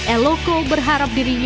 el loco berharap dirinya